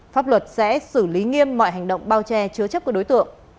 pháp luật sẽ xử lý nghiêm mọi hành động bao che chứa chấp của đối tượng